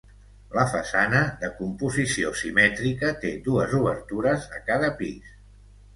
La façana, de composició simètrica, té dues obertures a cada pis.